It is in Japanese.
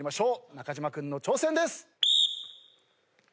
中島君の挑戦です。